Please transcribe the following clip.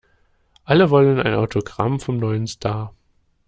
Alle wollen ein Autogramm vom neuen Star.